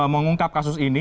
mengungkap kasus ini